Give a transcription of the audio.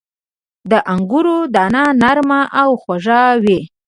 • د انګورو دانه نرمه او خواږه وي.